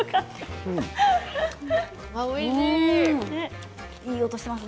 おいしい。